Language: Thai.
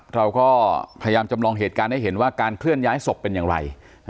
เราก็พยายามจำลองเหตุการณ์ให้เห็นว่าการเคลื่อนย้ายศพเป็นอย่างไร